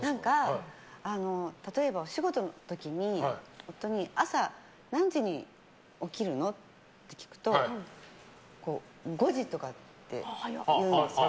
例えば、お仕事の時に夫に朝、何時に起きるのって聞くと５時とかって言うんですよ。